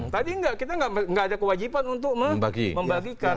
tadi kita nggak ada kewajiban untuk membagikan